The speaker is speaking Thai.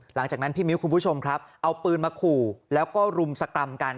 หลังจากนั้นพี่มิ้วคุณผู้ชมครับเอาปืนมาขู่แล้วก็รุมสกรรมกัน